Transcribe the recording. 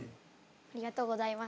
ありがとうございます。